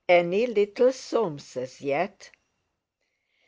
Any little Soameses yet?"